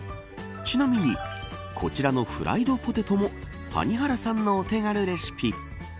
ちなみにこちらのフライドポテトも谷原さんのお手軽レシピ。